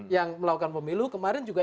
yang melakukan pemilu kemarin juga